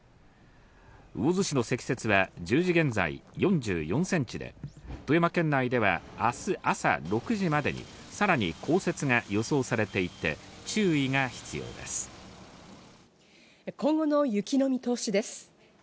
魚津市の積雪は１０時現在、４４センチで、富山県内では明日朝６時までにさらに降雪が予想されていて、今後の雪の見通しです。